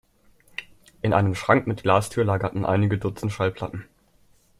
In einem Schrank mit Glastür lagerten einige dutzend Schallplatten.